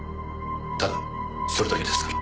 ただそれだけですから。